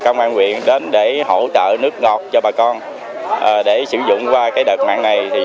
công an quyện đến để hỗ trợ nước ngọt cho bà con để sử dụng qua đợt mạng này